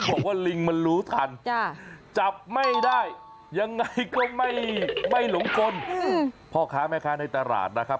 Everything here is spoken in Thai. บอกว่าลิงมันรู้ทันจับไม่ได้ยังไงก็ไม่หลงกลพ่อค้าแม่ค้าในตลาดนะครับ